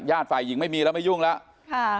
ญาติฝ่ายอีกไม่มีแล้วไม่ยุ่งแล้ว